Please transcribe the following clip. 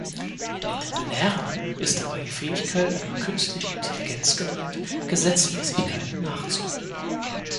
Mit Lernen ist dabei die Fähigkeit einer künstlichen Intelligenz gemeint, Gesetzmäßigkeiten nachzubilden.